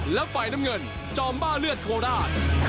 แล้วไฟล์น้ำเงินจอมบ้าเลือดโคลดา